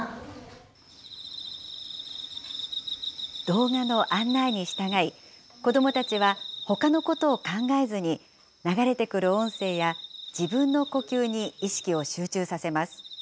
動画の案内に従い、子どもたちはほかのことを考えずに、流れてくる音声や自分の呼吸に意識を集中させます。